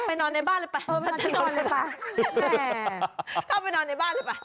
ไปนอนในบ้านเลยป่ะเข้าไปนอนในบ้านเลยป่ะ